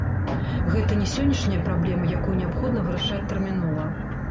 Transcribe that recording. Гэта не сённяшняя праблема, якую неабходна вырашаць тэрмінова.